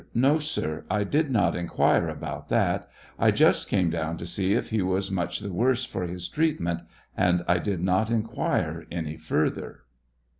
No, sir; I did not inquire about that; I just came down to see if he was much th worse for his treatment; and I did not inquire any further.